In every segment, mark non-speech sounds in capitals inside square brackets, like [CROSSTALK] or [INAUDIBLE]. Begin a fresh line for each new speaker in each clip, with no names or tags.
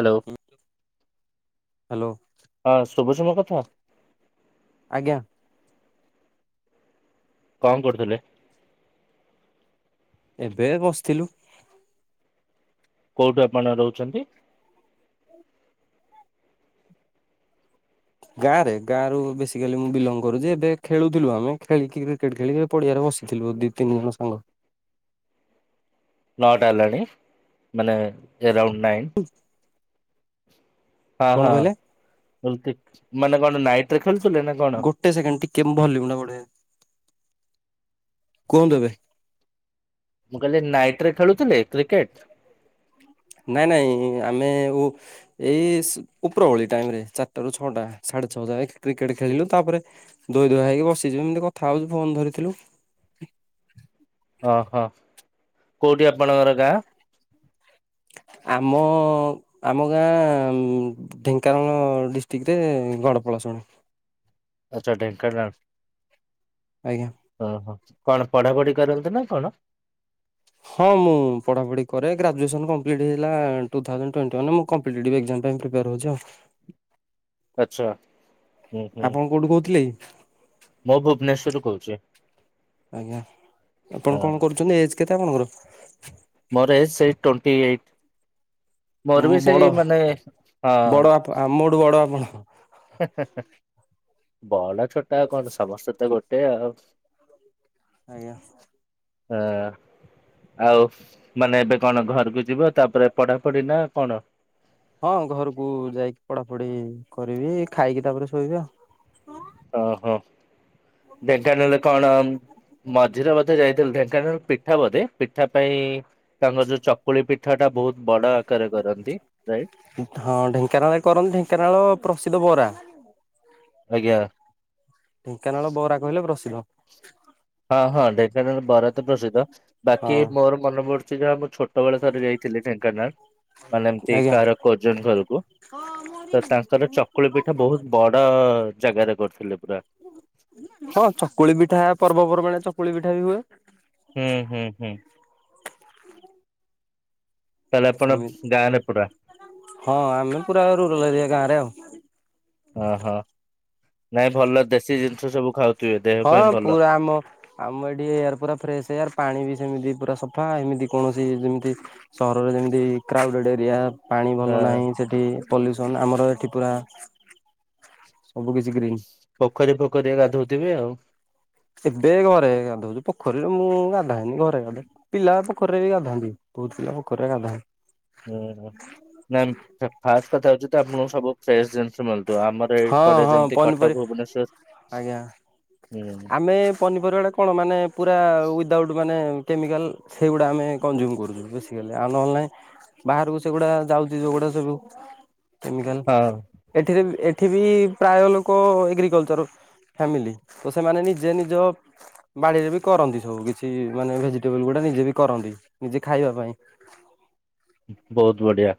Hello.
Hello.
ହଁ ଶୁଭୁଚି ମୋ କଥା।
ଆଜ୍ଞା।
କଣ କରୁଥିଲେ?
ଏବେ ବସିଥିଲୁ।
କୋଉଠୁ ଆପଣ ରହୁଛନ୍ତି?
ଗାଁରେ ଗାଁରୁ ବେସିକାଲି ମୁଁ ବିଲଙ୍ଗ କରୁଚି ଏବେ ଖେଳୁଥିଲୁ ଆମେ ଖେଳିକି କ୍ରିକେଟ ଖେଳିକି ପଡିଆରେ ବସିଥିଲୁ ଦି ତିନି ଜଣ ସାଙ୍ଗ।
ନଅଟା ହେଲାଣି ମାନେ ଏରାଉଣ୍ଡ ନାଇନ୍।
[INAUDIBLE]
ଆହ
କଣ କହିଲେ
ଏମତି ମାନେ କଣ ନାଇଟ ରେ ଖେଳୁଥିଲେ ନା କଣ।
ଟେ ସେକେଣ୍ଡ ଟିକେ ମୁଁ ଭଲ୍ୟୁମ ଟା ବଢେ କୁହନ୍ତୁ ଏବେ।
ମୁଁ କହିଲି ନାଇଟ ରେ ଖେଳୁଥିଲେ କ୍ରିକେଟ।
ନାଇଁ ନାଇଁ ଆମେ ଉ ଏଇସ ଉପରବଳି ଟାଇମ ରେ ଚାରିଟା ରୁ ଛଅଟା ସାଢେ ଛଅ ଯାଏ କ୍ରିକେଟ ଖେଳିଲୁ ତାପରେ ଧୋଇ ଧୁଆ ହେଇକି ବସିଚୁ ଏମିତି କଥା ହଉଚୁ ଫୋନ୍ ଧରିଥିଲୁ।
ଅହ କୋଉଟି ଆପଣଙ୍କର ଗାଁ?
ଆମ ଆମ ଗାଁ ଢେଙ୍କାନାଳ ଡିଷ୍ଟିକରେ ଗଡ଼ପଳାଶୁଣି।
ଆଚ୍ଛା ଢେଙ୍କାନାଳ
ଆଜ୍ଞା
ଅହ କଣ ପଢାପଢି କରନ୍ତି ନା କଣ?
ହଁ ମୁଁ ପଢାପଢି କରେ ଗ୍ରାଜୁଏସନ କମ୍ପ୍ଲିଟ ହେଇଯାଇଥିଲା ଟୁ ଥାଉଜେଣ୍ଟ ଟ୍ୱେଣ୍ଟିୱାନ ରେ ମୁଁ କ ଫିଲଡିଟିପି ଏକ୍ଜାମ ପାଇଁ ପ୍ରିପେୟାର ହଉଚି ଆଉ।
ଆଚ୍ଛା ହୁଁ ହୁଁ
ଆପଣ କୋଉଠୁ କହୁଥିଲେ?
ମୁଁ ଭୁବନେଶ୍ଵରରୁ କହୁଛି
ଆଜ୍ଞା
ହଁ
ଆପଣ କଣ କରୁଚନ୍ତି ଏଜ୍ କେତେ ଆପଣଙ୍କର?
ମର ଏଜ୍ ସେଇ ଟ୍ୱେଣ୍ଟିଏଇଟି ମର
ମୁଁ
ବି
ବଡ଼
ସେଇ ମାନେ
ବଡ଼
ହଁ।
ଆପ ଆମଠୁ ବଡ଼ ଆପଣ?
ହେ ହେ ହେ ବଡ଼ ଛୋଟ ଆଉ କଣ ସମସ୍ତେତ ଗୋଟେ ଆଉ।
ଆଜ୍ଞା ସାର୍।
ଆଁ ଆଉ ମାନେ ଏବେ କଣ ଘରକୁ ଯିବ ତାପରେ ପଢାପଢି ନା କଣ?
ହଁ ଘରକୁ ଯାଇକି ପଢାପଢି କରିବି ଖାଇକି ତାପରେ ଶୋଇବି ଆଉ।
ଓହୋ ଢେଙ୍କାନାଳରେ କଣ ମଝିରେ ବଧେ ଯାଇଥିଲୁ ଢେଙ୍କାନାଳ ପିଠା ବଧେ ପିଠା ପାଇଁ ତାଙ୍କର ଯୋଉ ଚକୁଳି ପିଠାଟା ବହୁତ୍ ବଡ଼ ଆକାରରେ କରନ୍ତି ରାଇଟ୍?
ହଁ ଢେଙ୍କାନାଳେ କରନ୍ତି ଢେଙ୍କାନାଳ ପ୍ରସିଦ୍ଧ ବରା।
ଆଜ୍ଞା।
ଢେଙ୍କାନାଳ ବରା କହିଲେ ପ୍ରସିଦ୍ଧ।
ହଁ ହଁ ଢେଙ୍କାନାଳ ବରା ତ ପ୍ରସିଦ୍ଧ
ହଁ
ବାକି ମୋର ମନେ ପଡ଼ୁଚି ଯାହା ମୁଁ ଛୋ ଛୋଟ ବେଳେ ଥରେ ଯାଇଥିଲି ଢେଙ୍କାନାଳ ମାନେ ଏମତି
ଆଜ୍ଞା।
କାହାର କଜନ ଘରୁକୁ ତ ତାଙ୍କର ଚକୁଳି ପିଠା ବହୁତ୍ ବ ଡ ଜାଗାରେ କରିଥିଲେ ପୁରା।
ହଁ ଚକୁଳି ପିଠା ପର୍ବପର୍ବାଣିରେ ଚକୁଳି ପିଠାବି ହୁଏ।
ହୁଁ ହୁଁ ହୁଁ। ତାହେଲେ ଆପଣ
ସେମିତି
ଗାଁରେ ପୁରା?
ହଁ ଆମେ ପୁରା ରୁରାଲ ଏରିଆ ଗାଁରେ ଆଉ।
ଓହୋ ନାଇଁ ଭଲ ଦେଶୀ ଜିନିଷ ସବୁ ଖାଉ
ହଁ ପୁରା ଆମ ଆମ ଏଠି ଏୟାର ପୁରା ଫ୍ରେସ୍ ଏୟାର ପାଣି ବି ସେମିତି ପୁରା ସଫା ଏମିତି କୌଣସି ଯେମିତି ସହରରେ ଯେମିତି କ୍ରାଉଡେଡ ଏରିଆ ପାଣି ଭଲ
ହଁ।
ନାହିଁ ସେ ଟି ପଲ୍ୟୁସନ ଆମର ଏଠି ପୁରା ସବୁ କିଛି ଗ୍ରୀନ୍।
ପୋଖରୀ ଫୋଖରୀରେ ଗାଧଉଥିବେ ଆଉ?
ଏବେ ଘରେ ଗାଧଉଚୁ ପୋଖରୀରେ ମୁଁ ଗାଧାଏନି ଘରେ ଗାଧାଏ। ପିଲା ପୋଖରୀରେ ବି ଗାଧାନ୍ତି ବହୁତ୍ ପିଲା ପୋଖରୀରେ ଗାଧାନ୍ତି।
ଉହୁଁ ନାଁ ଫାଷ୍ଟେ କଥା ହଉଚିତ ଆପଣଙ୍କୁ ସବୁ ଫ୍ରେଶ୍ ଜିନିଷ ମିଳଥିବ ଆମର ତ
ହଁ
ଏପଟେ
ହଁ
ଯେମତି କଟକ
ପନିପରିବା
ଭୁବନେଶ୍ଵର
ଆଜ୍ଞା।
ହୁଁ।
ଆମେ ପନିପରିବାଟା କଣ ମାନେ ପୁରା ୱିଦାଉଟ୍ ମାନେ କେମିକାଲ୍ ସେଇଗୁଡ଼ା ଆମେ କନଜୁମ୍ କରୁଛୁ ବେଶୀ କାଲେ ଆ ନହେଲୋ ବାହାରକୁ ସେଗୁଡ଼ା ଯାଉଚି ଯୋଉଗୁଡ଼ା ସବୁ କେମିକାଲ୍
ହଁ
ଏଠିରେ ଏ ଏଠିବି ପ୍ରାୟ ଲୋକ ଏଗ୍ରିକଲଚର ଫ୍ୟାମିଲି ତ ସେମାନେ ନିଜେ ନିଜ ବାଡ଼ିରେବି କରନ୍ତି ସବୁ କିଛି ମାନେ ଭେଜିଟେବଲ୍ ଗୁଡ଼ା ନିଜେବି କରନ୍ତି ନିଜେ ଖାଇବା ପାଇଁ।
ବହୁତ୍ ବଢ଼ିଆ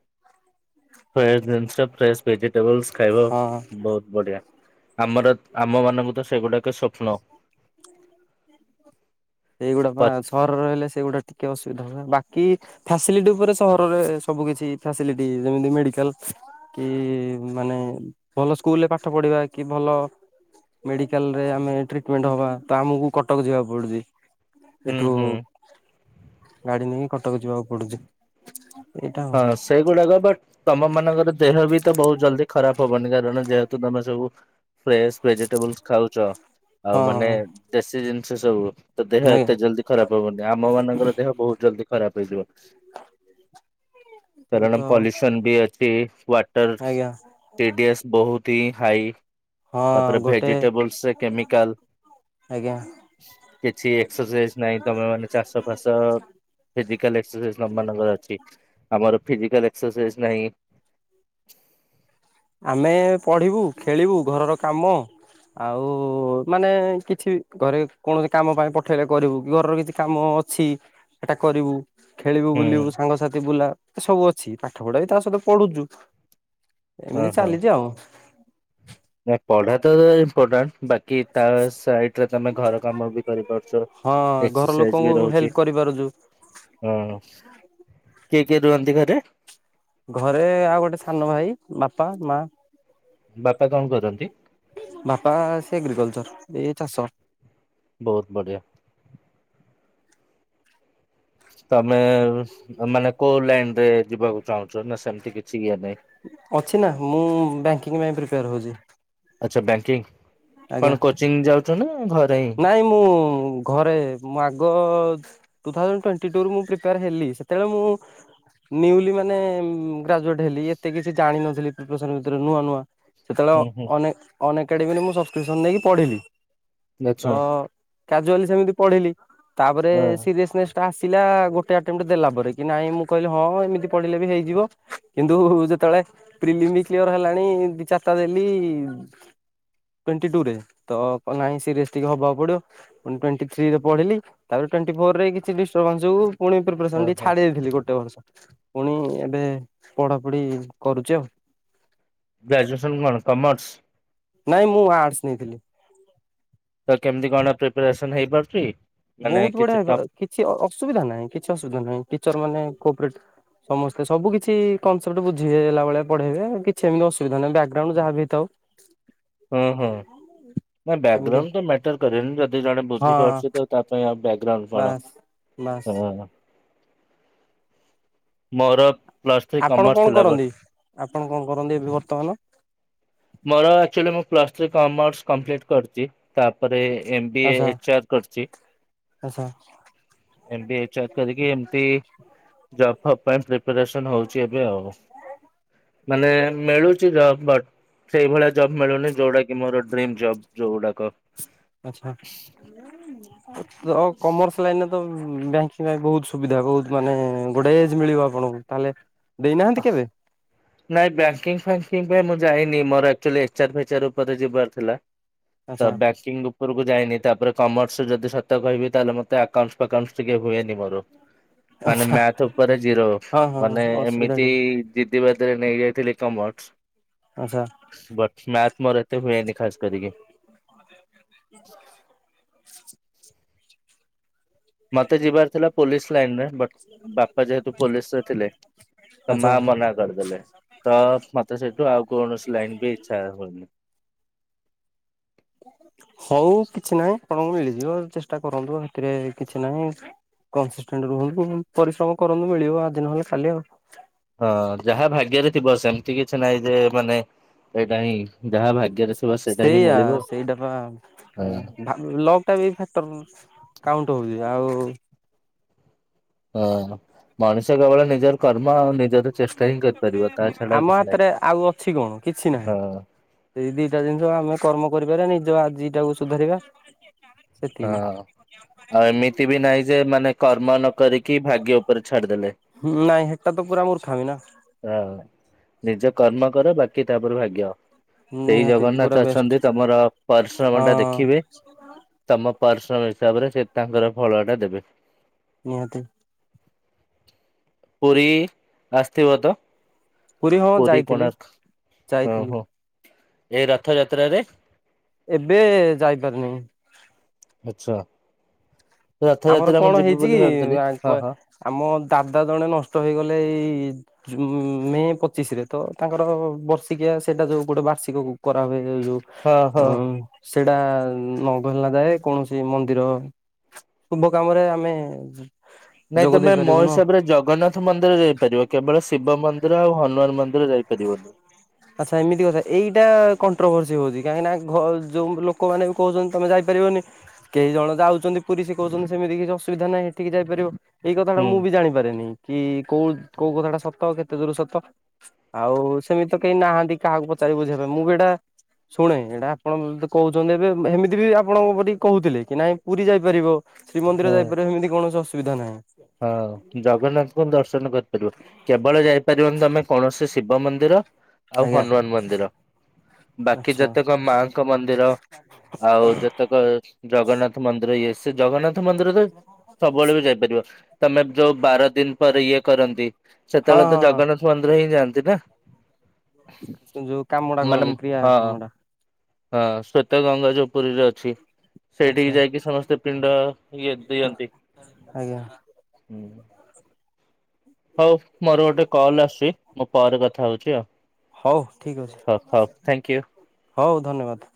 ଫ୍ରେସ୍ ଜିନିଷ ଫ୍ରେସ୍ ଭେଜି ଟେବୁଲ୍ସ ଖାଇବ
ହଁ।
ବହୁତ୍ ବଢ଼ିଆ ଆମର ଆମ ମାନଙ୍କୁତ ସେଗୁଡ଼ାକ ସ୍ୱପ୍ନ
ସେଇଗୁଡ଼ାପା ସହର ରହିଲେ ସେଗୁଡ଼ା ଟିକେ ଅସୁବିଧା ହବ ବାକି ଫାସିଲିଟି ଉପରେ ସହରରେ ସବୁ କିଛି ଫାସିଲିଟି ଯେମିତି ମେଡିକାଲ୍ କି ମାନେ ଭଲ ସ୍କୁଲରେ ପାଠ ପଢିବା କି ଭଲ ମେଡିକାଲ୍ ରେ ଆମେ ଟ୍ରିଟମେଣ୍ଟ ହବା ତଆମକୁ କଟକ ଯିବାକୁ ପଡ଼ୁଚି।
ହୁଁ
ଏଠୁ
ହୁଁ।
ଗାଡ଼ି ନେଇକି କଟକ ଯିବାକୁ ପଡ଼ୁଚି।
ହଁ ସେଗୁଡ଼ାକ ବଟ୍ ତମ ମାନଙ୍କର ଦେହବିତ ବହୁତ୍ ଜଲ୍ଦି ଖରାପ୍ ହେବନି କାରଣ ଯେହେତୁ ତମେ ସବୁ ଫ୍ରେସ୍ ଭେଜିଟେବଲସ୍ ଖାଉଛ ଆଉ ମାନେ
ହଁ
ଦେଶୀ ଜିନିଷ ସବୁ ତଦେହ
ଆଜ୍ଞା
ଏତେ ଜଲ୍ଦି ଖରାପ୍ ହବନି ଆମ ମାନଙ୍କର ଦେହ ବହୁତ୍ ଜଲ୍ଦି ଖରାପ୍ ହେଇଯିବ।
ଏଇ ତ
କାରଣ ପଲ୍ୟୁସନବି ଅଛି ୱାଟର
ଆଜ୍ଞା
ଟି ଡିଏସ୍ ବହୁତ୍ ହି ହାଇ
ହଁ
ତାପରେ
ଗୋଟେ
ଭେଜିଟେବଲସ ସେ କେମିକାଲ
ଆଜ୍ଞା।
କିଛି ଏକ୍ସରସାଇଜ ନାହିଁ ତମେ ମାନେ ଚାଷ ଫାସ ଫିଜିକାଲ ଏକ୍ସରସାଇଁଜ ତମ ମାନଙ୍କ ପାଖରେ ଅଛି। ଆମର ଫିଜିକାଲ ଏକ୍ସରସାଇଜ ନାହିଁ
ଆମେ ପଢିବୁ ଖେଳିବୁ ଘରର କାମ ଆଉ ମାନେ କିଛି ଘରେ କୌଣସି କାମ ପାଇଁ ପଠେଇଲେ କରିବୁ କି ଘରର କିଛି କାମ ଅଛି ସେଟା କରିବୁ। ଖେଳିବୁ
ହୁଁ
ବୁଲିବୁ ସାଙ୍ଗସାଥି ବୁଲା ଏ ସବୁ ଅଛି ପାଠ ପଢା ବି ତା ସହିତ ପଢୁଛୁ
ଓ
ଏମିତି
ହୋ।
ଚାଲିଛି ଆଉ
ନା ପଢା ତ ଏବେ ଇମ୍ପୋଟାଣ୍ଟ ବାକି ତା ସାଇଟ୍ ଟ୍ ରେ ତମେ ଘର କାମ ବି କରିପାରୁଛ
ହଁ ଘର
ଏକ୍ସରସାଇଜ
ଲୋକଙ୍କୁ
ବି ରହୁଛି
ହେଲ୍ପ କରିପାରୁଛୁ
ହଁ କିଏ କିଏ ରୁହନ୍ତି ଘରେ?
ଘରେ ଆଉ ଗୋଟେ ସାନ ଭାଇ ବାପା ମା
ବାପା କଣ କରନ୍ତି?
ବାପା ସେ ଏଗ୍ରିକଲଚର ଏ ଚାଷ
ବହୁତ ବଢ଼ିଆ। ତମେ ମାନେ କୋଉ ଲାଇନ ରେ ଯିବାକୁ ଚାହୁଁଛ ନା ସେମିତି କିଛି ଇଏ ନାହିଁ।
ଅଛି ନା ମୁଁ ବ୍ୟାଙ୍କିଙ୍ଗ ପାଇଁ ପ୍ରିପେୟାର ହଉଛି।
ଆଚ୍ଛା। ବ୍ୟାଙ୍କିଙ୍ଗ
ଆଜ୍ଞା।
କଣ କୋଚିଂ ଯାଉଛ ନା ଘରେ ହିଁ
ନାଇଁ ମୁଁ ଘରେ ମୁଁ ଆଗ ଟୁ ଥାଉଜେଣ୍ଟ ଟ୍ବେଣ୍ଟି ଟୁ ରୁ ମୁଁ ପ୍ରିପେୟାର ହେଲିି ସେେବେଳେ ମୁଁ ନିୱଲି ମାନେ ଗ୍ରାଜୁଟ ହେଲି ଏତେ କିଛି ଜାଣିିନଥିଲି ପ୍ରଫେ ସନ୍ ବିଷୟରେ ନୂଆ ନୂଆ ସେତେବେଳେ
ହୁଁ ହୁଁ
ଅନ ଅନ ଏକାଡେମୀରେ ମୁଁ ସବସ୍କ୍ରିପସନ ଦେଇକି ପଢିଲି। ତ
ଆଚ୍ଛା
କାଜୁଆଲି ସେମିତି ପଢିଲି ତାପରେ
ହଁ।
ସିରିସନେସ୍ ତ ଆସିଲା ଗୋଟେ ଆଟେମ୍ଟ ଦେଲା ପରେ କି ନାଇଁ ମୁଁ କହିଲି ହଁ ଏମିତି ପଢିଲେ ବି ହେଇଯିବ କିନ୍ତୁ ଯେତେବେଳେ ପ୍ରିଲିମ ବି କ୍ୟର ହେଲାଣି ଦି ଚାରିଟା ଦେଲି ଟୁଣ୍ଟୀ ଟୁ ରେ ତ ନାହିଁ ସିରିଏ ଟିକେ ହବାକୁ ପଡିବ ପୁଣି ଟ୍ୱେଣ୍ଟି ଥ୍ରୀରେ ପଢିଲି ତାପରେ ଟ୍ୱଣ୍ଟି ଫୋର ରେ କିଛି ଡିର୍ବାନ୍ସ ଯୋଗୁ ପୁଣି ପ୍ରଫେସନ୍ ଟିକେ
ଓହୋ
ଛାଡି ଦେଇେଥିଲି ଗୋଟେ ବର୍ଷ ପୁଣି ଏବେ ପଢାପଢି କରୁଛି ଆଉ
ଗ୍ରାଜୁଏସନ୍ କଣ କମର୍ସ?
ନାଇଁ ମୁଁ ଆଟସ ନେଇଥିଲି।
ତ କେମିତି କଣ ପ୍ରିପାରେସନ ହେଇପାରୁଛି? ମାନେ
ବହୁତ ବଢିଆ
କିଛି
ହେଇପା ଅ
ଟପ୍
କିଛି ଅସୁବିଧା ନାହିଁ କିଛି ଅସୁବିଧା ନାହିଁ ଟିଚର ମାନେ କ୍ରୋପେଣ୍ଟ ସମସ୍ତେ ସବୁକିଛି କନସେପ୍ଟ ବୁଝି ହେଲା ଭଳିଆ ପଢେଇବେ କିଛି ଏମିତି ଅସୁବିଧା ନାହିଁ ବ୍ୟାକଗ୍ରାଉଣ୍ଡ ଯାହା ବି ହେଲେ ଥାଉଁ
ଓଁ ହଁ ହଁ ନାଁ
ଏମିତି
ବ୍ୟାକଗ୍ରାଉଣ୍ଡ ତ ମ୍ୟାଟର କରେନି ଯଦି ଜଣେ
ହଁ
ବୁଝିପାରୁଛି ତ ତା ପାଇଁ ଆଉଁ ବ୍ୟାକଗ୍ରାଉଣ୍ଡ କଣ?
ବାସ୍ ବାସ୍
ହଁ। ମୋର ପ୍ଲସ ଥ୍ରୀ
ଆପଣ
କମର୍ସ
କଣ
ଥିଲା ବଟ
କରନ୍ତି? ଆପଣ କଣ କରନ୍ତି ଏବେ ବର୍ତ୍ତମାନ?
ମୋର ଆକ୍ଚୁଲି ମୁଁ ପ୍ଲସ ଥ୍ରୀ କମର୍ସ କମ୍ପ୍ଲିଟ କରଛି। ତାପରେ ଏମବିଏ
ଆଚ୍ଛା
ଏଚାଆର କରିଛି
ଆଚ୍ଛା
ଏମବିଏ ଏଚାଆର କରିକି ଏପି ଜବ ଫପ୍ ପାଇଁ ପ୍ରିପାରେସନ ହଉଛି ଏବେ ଆଉ ମାନେ ମିଳୁଛି ବଟ ସେଇଭଳିଆ ଜବ ମିଳୁନି ଯୋଉଁଟା କି ମୋର ଡ୍ରିମ ଜବ ଯୋଉଁ ଗୁଡାକ
ଆଚ୍ଛା।
[INAUDIBLE]
ଅ କମର୍ସ ଲାଇନରେ ତ ବ୍ୟାଙ୍କିଙ୍ଗ ପାଇଁ ବହୁତ ସୁବିଧା ବହୁତ ମାନେ ବଢିଆ ଏଜ୍ ମିଳିବ ଆପଣଙ୍କୁ ତା ହେଲେ ଦେଇନାହାନ୍ତି କେବେ?
ନାଇଁ ବ୍ୟାଙ୍କିଙ୍ଗ ଫାଙ୍କିଙ୍ଗ ପାଇଁ ମୁଁ ଯାଇନି ମୋର ଆଛୁଏଲି ଏଚେଆର ଫେଚେଆର ଉପରେ ଯିବାର ଥିଲା। ଦ
ଆଚ୍ଛା
ବ୍ୟାକିଙ୍ଗ ଲୁକ୍ ଉପରକୁ ଯାଇନି ତାପରେ କମର୍ସରେ ଯଦି ସତ କହିବି ତାହେଲେ ମତେ ଆକାଉଣ୍ଟ ଫାକାଉଣ୍ଟ ଟିକେ ହୁଏନି ମୋର। ମାନେ
ଆଚ୍ଛା
ମ୍ୟାଥ ଉପରେ ଜିରୋ
ହଁ ହଁ
ମାନେ ଏମି
ଅସୁବିଧା ଟିକେ
ଏଇ ଜିଦିି ବାଦିରେ ନେଇ ଯାଇଥିଲି କମର୍ସ।
ଆଚ୍ଛା।
ବଟସଁ ମ୍ୟାଥ ମୋର ଏତେ ହୁଏନି ଖାସ କରିକି।
ଚଁ ଚାଁ
ମୋତେ ଯିବାର ଥିଲା ପୋଲିସ୍ ଲାଇନରେ ବଟ ବାପା ଯେହେତୁ ପୋଲିସରେ ଥିଲେ। ତା
ଆଚ୍ଛା
ମା ମନା କରିଦେଲେ ତ ମତେ ସେଠୁଁ ଆଉ କୌଣସି ଲାଇନ ବି ଇଚ୍ଛା ହୁଉନି।
ହଉ କିଛି ନାହିଁ ଆପଣଙ୍କୁ ମିଳିଯିବ ଚେଷ୍ଟା କରନ୍ତୁ ସେଥିରେ କିଛି ନାହିଁ। କନସିଷ୍ଟାଣ୍ଟ ରୁହନ୍ତୁ ପରିଶ୍ରମ କରନ୍ତୁ ମିଳିବ ଆଜି ନହେଲେ କାଲି ଆଉ।
ହଁ ଯାହାଭାଗ୍ୟରେ ଥିବ ସେମିତି କିଛି ନାଇଁ ଯେ ମାନେ ଏଇଟା ହିଁ ଯାହା ଭା
ସେଇଆା ସେଇଟାପ
ହଁ।
ଆଜ୍ଞା ଭା ଲକଟା ବି ଫାକ୍ଟର କାଉଣ୍ଟ ହଉଛି ଆଉ।
ଓଁ ହଁ ମଣିଷଙ୍କ ଭଳିଆ ନିଜର। କର୍ମ ଆଉ ନିଜର ଚେଷ୍ଟା ହିଁ କରିପାରିବ ତା ଛଡା
ଆମ
କିଛି
ହାତରେ ଆଉ ଅଛି କଣ କିଛି
ନାହିଁ
ନାହିଁ
ହଁ।
ସେଇ ଦିଟା ଜିନିଷ ଆମେ କର୍ମ କରିପାରିବା ନିଜ ଆଜି ଟାକୁ ସୁଧାରିବା।
ହଁ
ସେତିକି
ଆଉ ଏମିତି ବି ନାହିଁ ଯେ ମାନେ କର୍ମନକରିକି ଭାଗ୍ୟ ଉପରେ ଛାଡିଦେଲେ।
ହୁଁ ନାଇଁ ହେଟାତ ପୁରା ମୂର୍ଖାମି ନାଁ।
ହଁ ନିଜ କର୍ମ କର ବାକି ତାପରେ ଭାଗ୍ୟ। ସେଇ
ନିହାତି ପୁରା
ଜଗନ୍ନାଥ
ବେଷ୍ଟ
ଅଛନ୍ତି ତମର
ହଁ
ପରିଶ୍ରମ ଟା ଦେଖିବେ।
[INAUDIBLE]
ତମ ପରିଶ୍ରମ ହିସାବରେ ସେ ତାଙ୍କର ଫଳ ଟା ଦେବେ।
ନିହାତୀ।
ପୁରୀ ଆସିଥିବ ତ
ହଁ
ପୁରୀ
ଯାଇଥିଲି
କୋଣାର୍କ ଓ
ଯାଇଥିଲି
ହୋ। ଏଁ ରଥଯାତ୍ରାରେ।
ଏବେ ଯାଇପାରିନି।
ଆଚ୍ଛା
ଆମର
ରଥଯାତ୍ରା ମୁଁ
କଣ ହେଇଛି କି
ଯିବୁବୋଲି ଭାବିଥିଲି
ଆ
ହଁ
କ
ହଁ।
ଆମ ଦାଦା ଜଣେ ନଷ୍ଟ ହେଇଗଲେ ଏଇ। ଜୁଉଁ ମେ ପଚିଶ ରେ ତ ତାଙ୍କର ବର୍ଷିକିଆ ସେଇଟା ଯୋଉଁ ଗୋଟେ ବାର୍ଷିକ କରାହୁଏ ଯୋଉ।
ହଁ
ଅ
ହଁ।
ସେଟା ନ ଗଲା ଯାଏ କୌଣସି ମନ୍ଦିର। ଶୁଭ କାମରେ ଆମେ
ନାଇଁ
ଯୋଗ ଦେଇ
ତମେ ମୋ
ପାରିବୁନୁ
ହିସାବରେ ଜଗନ୍ନାଥ ନାଥ ମନ୍ଦିର ଯାଇପାରିବ କେବଳ ଶିବ ମନ୍ଦିର ଆଉ ହନୁମାନ ମନ୍ଦିର ଯାଇପାରିବନି।
ଆଚ୍ଛା ଏମିତି କଥା ଏଇଟା କଣ୍ଟ୍ରୋଭରସି ହଉଛି କାହିଁକିନା ଘ ଯୋଉ ଲୋକମାନେ। କଉଚନ୍ତି ତମେ ଯାଇପାରିବନି। କେଇ ଜଣ ଯାଉଛନ୍ତି ପୁରୀ ସେ କଉଚନ୍ତି ସେମିତି କିଛି ଅସୁବିଧା ନାହିଁ ହେଠିକି ଯାଇପାରିବ ଏଇ କଥାଟା
ହୁଁ
ମୁଁ ବି ଜାଣିପାରେନି। କି କୋଉ କୋଉ କଥା ଟା ସତ କେତେ ଦୂର ସତ ଆଉ ସେମି ତ କେଇ ନାହାନ୍ତି କାହାକୁ ପଚାରି ବୁଝେଇବ ମୁଁ ବି ଏଇଟା। ଶୁଣେ ଏଇଟା ଆପଣ କହୁଛନ୍ତି ଏବେ ହେମିତି ବି ଆପଣଙ୍କ ପରି କହୁଥିଲେ କି ନାଇଁ ପୁରୀ ଯାଇପାରିବ। ଶ୍ରୀମନ୍ଦିର
ହୁଁ।
ଯାଇପାରିଵ ସେମତି କୌଣସି ଅସୁବିଧା ନାହିଁ।
ହଁ ଜଗନ୍ନାଥଙ୍କୁ ଦର୍ଶନ କରିପାରିବ। କେବଳ ଯାଇପାରିବନି ତମେ କୌଣସି ଶିବ ମନ୍ଦିର। ଆଉ
ଆଜ୍ଞା
ହନୁମାନ ମନ୍ଦିର ବାକି
ଆଚ୍ଛା
ଯେତେକ ମାଙ୍କ ମନ୍ଦିର ଆଉ ଯେ ତେକ ଜଗନ୍ନାଥ ମନ୍ଦିର ଇଏ ସେ ଜଗନ୍ନାଥ ମନ୍ଦିର ତ ସବୁବେଳେ ବି ଯାଇପାରିବ। ତମେ ଯୋଉ ବାର ଦିନ ପରେ ଇଏ କରନ୍ତି
ହଁ
ସେତେବେଳେ ତ
ହଁ।
ଜଗନ୍ନାଥ ମନ୍ଦିର ହିଁ ଯାଆନ୍ତି ନା।
ଯୋଉ କାମଟା
ମାନେ
କରନ୍ତି କ୍ରିୟା
ହଁ
କାମ ଟା।
ହଁ ଶ୍ଵେତ ଗଙ୍ଗା ଯଉ ପୁରୀରେ ଅଛି। ସେଇଠିକି
ଆଚ୍ଛା
ଯାଇକି ସମସ୍ତେ ପିଣ୍ଡ ଇଏ ଦିଅନ୍ତି।
ଆଜ୍ଞା।
ହଉ ମୋର ଗୋଟେ କଲ ଆସିଛି ମୋ ପରେ ଥାଉଛି ଆଉ।
ହଉ ଠିକ୍ ଅଛି
ହଉ ହଉ ଥ୍ୟାଙ୍କ ୟୁ।
ହଉ ଧନ୍ୟବାଦ।